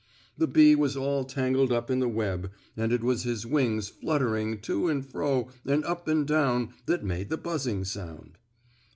The bee was all tangled up in the web, and it was his wings fluttering to and fro and up and down that made the buzzing sound.